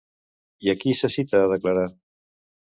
I a qui se cita a declarar?